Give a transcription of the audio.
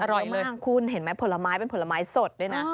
เพราะว่าของเยอะมากคุณเห็นไหมผลไม้เป็นผลไม้สดด้วยนะ